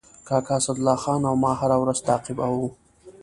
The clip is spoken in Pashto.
کاکا اسدالله خان او ما هره ورځ تعقیباوه.